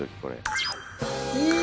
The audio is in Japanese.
え！